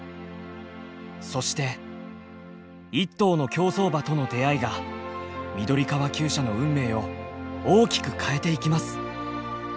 そして一頭の競走馬との出会いが緑川きゅう舎の運命を大きく変えていきます。